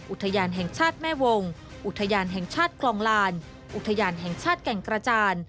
อุทยานแห่งชาติแม่วงอุทยานแห่งชาติคลองลานอุทยานแห่งชาติแก่งกระจาน